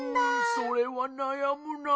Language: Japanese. それはなやむなぁ。